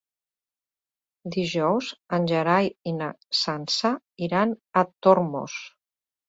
Dijous en Gerai i na Sança iran a Tormos.